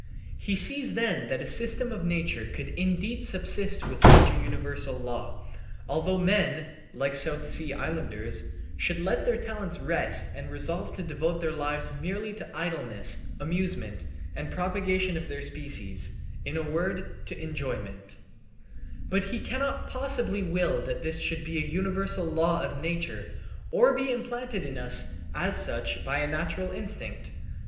He sees then that a system of nature could indeed subsist with such a universal law although men (like the South Sea islanders) should let their talents rest and resolve to devote their lives merely to idleness, amusement, and propagation of their species in a word, to enjoyment; but he cannot possibly will that this should be a universal law of nature, or be implanted in us as such by a natural instinct.